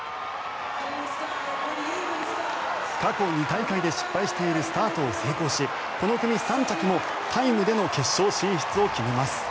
過去２大会で失敗しているスタートを成功しこの組３着のタイムでの決勝進出を決めます。